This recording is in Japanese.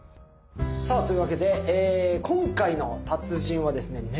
さあというわけで今回の達人はですね